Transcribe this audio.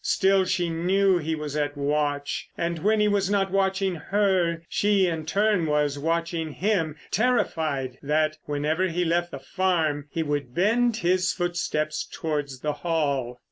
Still, she knew he was at watch—and when he was not watching her, she in turn, was watching him, terrified that whenever he left the farm he would bend his footsteps towards the Hall.